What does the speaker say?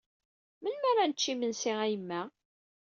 Melmi ara necc imensi a yemma?